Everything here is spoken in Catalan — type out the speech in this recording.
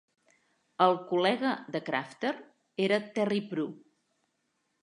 El col·lega de Crafter era Terry Prue.